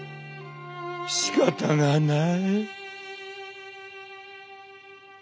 しかたがない」。